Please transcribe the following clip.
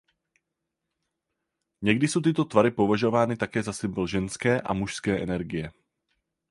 Někdy jsou tyto tvary považovány také za symbol ženské a mužské energie.